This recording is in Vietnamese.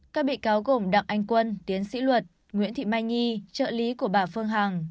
các bị cáo gồm đặng anh quân tiến sĩ luật nguyễn thị mai nhi trợ lý của bà phương hằng